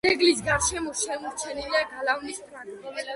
ძეგლის გარშემო შემორჩენილია გალავნის ფრაგმენტი.